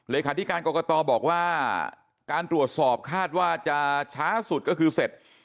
ที่การกรกตบอกว่าการตรวจสอบคาดว่าจะช้าสุดก็คือเสร็จ